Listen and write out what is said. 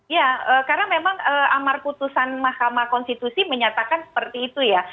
ya karena memang amar putusan mahkamah konstitusi menyatakan seperti itu ya